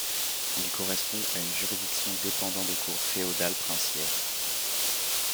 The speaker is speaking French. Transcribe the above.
Il correspond à une juridiction dépendant des cours féodales princières.